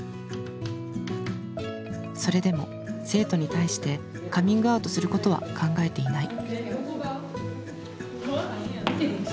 それでも生徒に対してカミングアウトすることは考えていない。